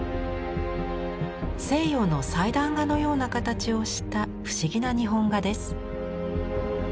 西洋の祭壇画のような形をした不思議な日本画です。